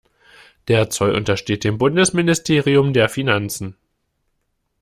Der Zoll untersteht dem Bundesministerium der Finanzen.